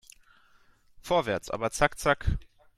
Vorwärts, aber zack zack